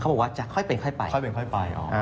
เขาบอกว่าจะค่อยเป็นค่อยไป